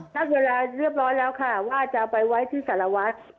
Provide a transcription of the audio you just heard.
ถ้าเวลาเรียบร้อยแล้วค่ะว่าจะเอาไปไว้ที่สารวัตร